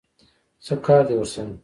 څه کار دی ورسره؟